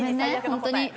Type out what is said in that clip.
本当に。